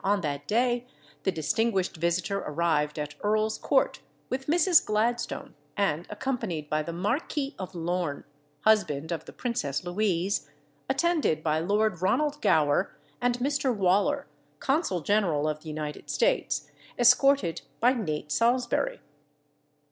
on that day the distinguished visitor arrived at Earl's Court with Mrs. Gladstone, and accompanied by the Marquis of Lorne (husband of the Princess Louise), attended by Lord Ronald Gower and Mr. Waller (Consul General of the United States), escorted by Nate Salsbury.